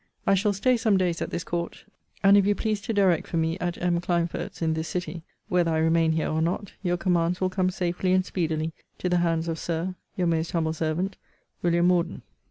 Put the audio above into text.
I shall stay some days at this court; and if you please to direct for me at M. Klienfurt's in this city, whether I remain here or not, your commands will come safely and speedily to the hands of, Sir, Your most humble servant, WM. MORDEN.